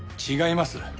違います。